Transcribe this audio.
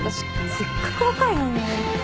せっかく若いのに。